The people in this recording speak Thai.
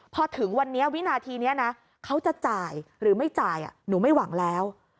พอถึงวันนี้วินาทีนี้นะเขาจะจ่ายหรือไม่จ่ายหนูไม่หวังแล้ว